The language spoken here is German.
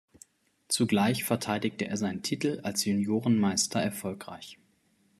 Zugleich verteidigte er seinen Titel als Juniorenmeister erfolgreich.